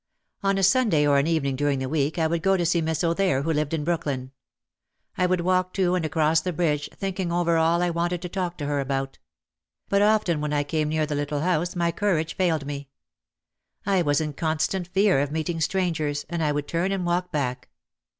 On a Sunday or an evening during the week I would go to see Miss O'There, who lived in Brooklyn. I would walk to and across the bridge thinking over all I wanted to talk to her about. But often when I came near the little house my courage failed me. I was in constant fear of meeting strangers, and I would turn and walk back.